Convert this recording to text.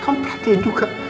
kamu perhatian juga